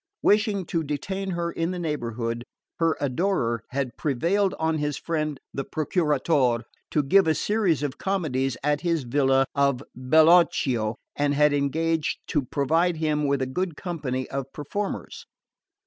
Wishing to detain her in the neighbourhood, her adorer had prevailed on his friend the Procuratore to give a series of comedies at his villa of Bellocchio and had engaged to provide him with a good company of performers.